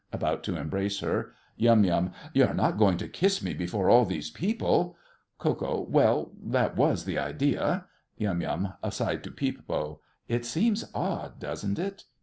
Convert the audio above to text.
(About to embrace her.) YUM. You're not going to kiss me before all these people? KO. Well, that was the idea. YUM (aside to Peep Bo). It seems odd, doesn't it?